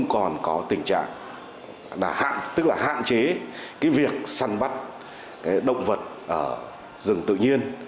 còn có tình trạng hạn chế việc săn bắt động vật ở rừng tự nhiên